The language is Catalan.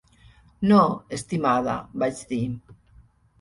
"No, estimada", vaig dir.